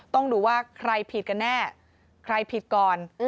ต้องดูว่าใครผิดกันแน่ใครผิดก่อน